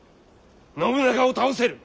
信長を倒せる！